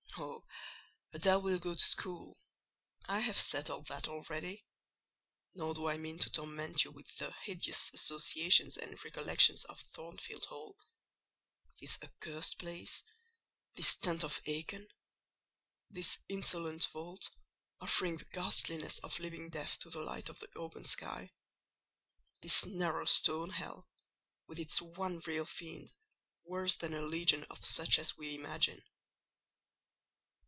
"Oh, Adèle will go to school—I have settled that already; nor do I mean to torment you with the hideous associations and recollections of Thornfield Hall—this accursed place—this tent of Achan—this insolent vault, offering the ghastliness of living death to the light of the open sky—this narrow stone hell, with its one real fiend, worse than a legion of such as we imagine.